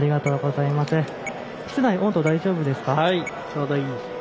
ちょうどいい。